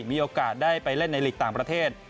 มีโอกาสได้ไปเล่นในหลีกต่างประเทศ